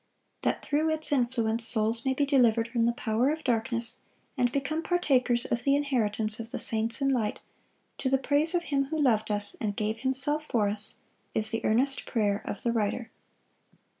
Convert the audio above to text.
That through its influence souls may be delivered from the power of darkness, and become "partakers of the inheritance of the saints in light," to the praise of Him who loved us, and gave Himself for us, is the earnest prayer of the writer.